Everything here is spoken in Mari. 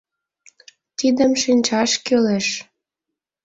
Тидым шинчаш кӱлеш.